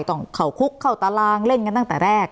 ต้องเข้าคุกเข้าตารางเล่นกันตั้งแต่แรก